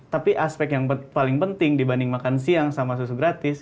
tapi aspek yang paling penting dibanding makan siang sama susu gratis